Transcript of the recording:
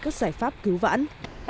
các giải pháp cứu vãn